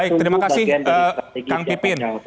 baik terima kasih kang pipin